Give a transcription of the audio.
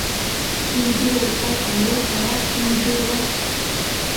Иудыруа уҳәар ҟамло, арахь иудыруа…